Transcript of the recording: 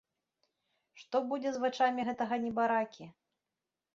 Што будзе з вачамі гэтага небаракі?